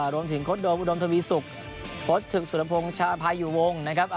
รวมถึงโคชโดมธวีสุปโคชสุนพงศ์ชาภายอยู่วงนะครับ